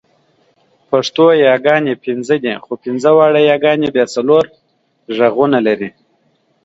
پښتو یاګانې پنځه دي، خو پنځه واړه یاګانې بیا څلور غږونه لري.